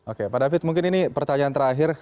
oke pak david mungkin ini pertanyaan terakhir